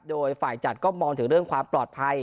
โดยฝ่ายจัดก็มองถึงเรื่องความปลอดภัย